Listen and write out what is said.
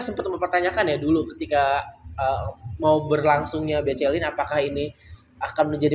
sempet mempertanyakan ya dulu ketika mau berlangsungnya bcl ini apakah ini akan menjadi